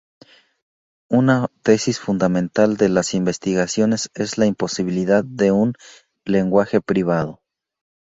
Una tesis fundamental de las "Investigaciones" es la imposibilidad de un "lenguaje privado".